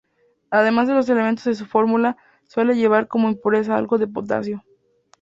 Además de los elementos de su fórmula, suele llevar como impureza algo de potasio.